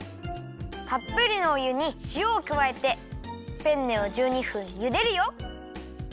たっぷりのお湯にしおをくわえてペンネを１２分ゆでるよ。